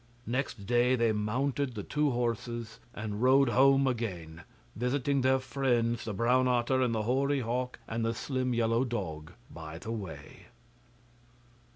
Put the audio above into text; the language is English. Next day they mounted the two horses and rode home again, visiting their friends the brown otter and the hoary hawk and the slim yellow dog by the way.